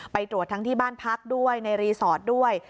ไปตรวจทั้งที่บ้านพักด้วยในรีสอร์ทด้วย